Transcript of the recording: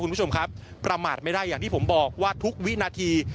คุณผู้ชมครับประมาทไม่ได้อย่างที่ผมบอกว่าทุกวินาที